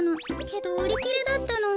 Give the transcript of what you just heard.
けどうりきれだったの。